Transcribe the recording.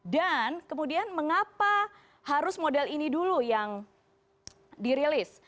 dan kemudian mengapa harus model ini dulu yang dirilis